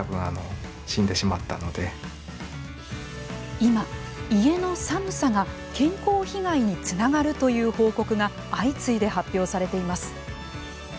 今、家の寒さが健康被害につながるという報告が相次いで発表されています。